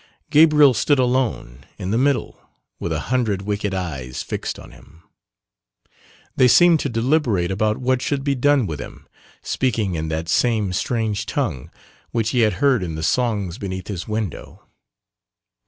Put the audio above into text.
Gabriel stood alone in the middle with a hundred wicked eyes fixed on him. They seemed to deliberate about what should be done with him, speaking in that same strange tongue which he had heard in the songs beneath his window.